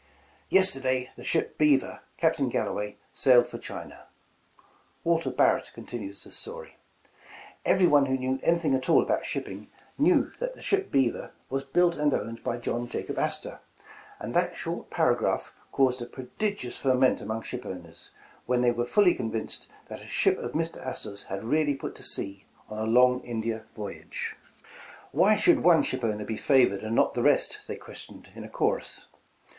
''Yesterday the ship 'Beaver,' Captain Galloway, sailed for China." Walter Barrett continues the story : "Every one who knew anything at all about shipping, knew that the ship 'Beaver' was built and owned by John Jacob Astor, and that short paragraph caused a prodigious ferment among ship owners, when they were fully convinced that a ship of Mr. Astor 's had really put to sea, on a long India voyage. ''' Why should one ship owner be favored and not the rest?' they questioned in a chorus.